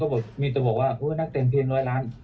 บอกมีแต่บอกว่านักเต็มเพียงร้อยล้าน